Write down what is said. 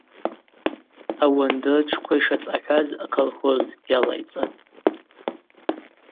Ауандыртшвква йшацӏахӏваз аколхоз йалайцӏатӏ.